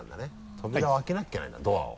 扉を開けなきゃいけないんだドアを。